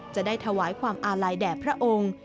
จะได้ถวายความอาลัยแด่พระองค์